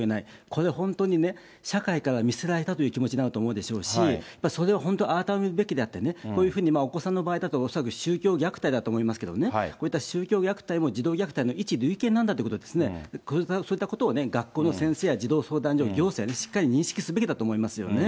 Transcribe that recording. これ、本当にね、社会から見捨てられたという気持ちになると思うでしょうし、それは本当改めるべきであってね、こういうふうにお子さんの場合だといわゆる宗教虐待だと思いますけれども、こういった宗教虐待も児童虐待の一部だということをそういったことを学校の先生や児童相談所、行政はきっちり認識すべきだと思い